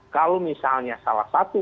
kalau misalnya salah satu